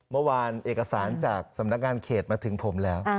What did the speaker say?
เมื่อวานเอกสารจากสำนักงานเขตมาถึงผมแล้ว